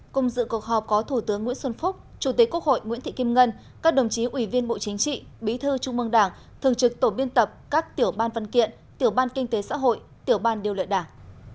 cùng dự cuộc họp có thủ tướng nguyễn xuân phúc chủ tịch quốc hội nguyễn thị kim ngân các đồng chí ủy viên bộ chính trị bí thư trung mương đảng thường trực tổ biên tập các tiểu ban văn kiện tiểu ban kinh tế xã hội tiểu ban điều lợi đảng